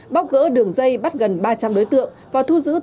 bóc gỡ đường dây bắt gần ba trăm linh đối tượng